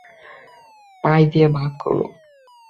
পাই দিয়ে ভাগ করো।